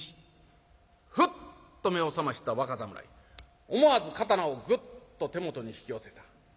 ふっと目を覚ました若侍思わず刀をグッと手元に引き寄せた。